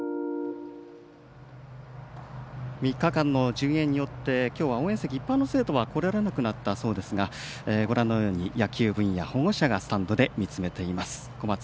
３日間の順延によってきょうは応援席、一般の生徒は来られなくなったそうですが野球部員や保護者がスタンドで見つめています。